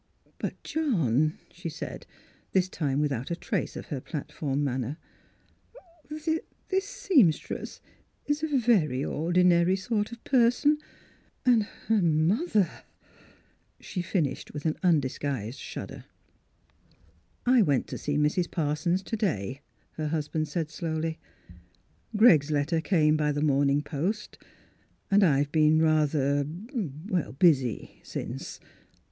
" But, John," she said, this time with out a trace of her platform manner, " this — this seamstress is a very ordi nary sort of person. And her mother —" Miss Philura's Wedding Gozvn She finished with an undisguised shudder. " I went to see Mrs. Parsons to day," her husband said slowly. " Greg's letter came by the morning post, and I've been rather — cr — busy since.